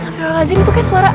safrul azzim itu kias suara